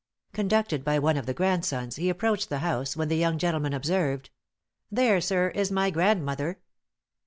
Conducted by one of her grandsons, he approached the house, when the young gentleman observed: 'There, sir, is my grandmother.'